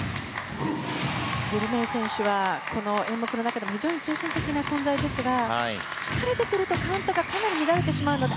ビル・メイ選手はこの演目の中でも非常に中心的な存在ですが疲れてくるとカウントがかなり乱れてしまうので。